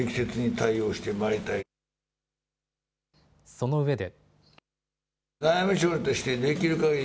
そのうえで。